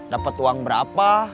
dapet uang berapa